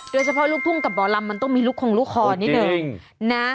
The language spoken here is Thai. ด้วยเฉพาะลูกทุ่งกับหมอลำมันต้องมีลูกคงลูกคอนิดหนึ่ง